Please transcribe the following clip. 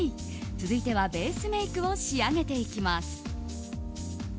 続いてはベースメイクを仕上げていきます。